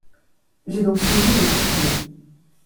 J’ai donc suivi vos conseils.